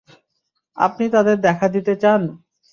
আপনি তাদের দেখা দিতে চান?